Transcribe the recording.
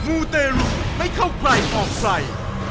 หมู่เตรุไม่เข้าใกล้ออกไฟ